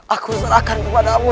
aku serahkan kepada mu